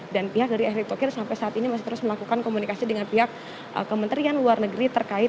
dan pihak dari erick thohir sampai saat ini masih terus melakukan komunikasi dengan pihak kementerian luar negeri